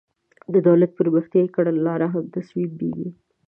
د دولت پرمختیایي کړنلارې هم تصویبیږي.